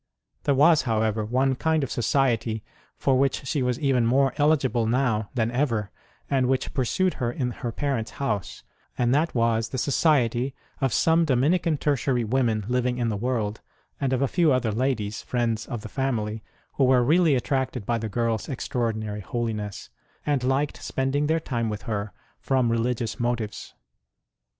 There was, however, one kind of society for which she was even more eligible now than ever, and which pursued her in her parents house ; and that was the society of some Domini can Tertiary women living in the world, and of a few other ladies friends of the family who were really attracted by the girl s extraordinary holi 99 IOO ST. ROSE OF LIMA ness and liked spending their time with her from religious motives.